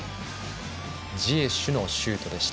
ジエシュのシュートでした。